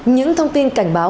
những thông tin cảnh báo